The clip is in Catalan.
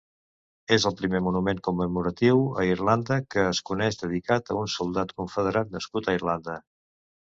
És el primer monument commemoratiu a Irlanda que es coneix dedicat a un soldat confederat nascut a Irlanda.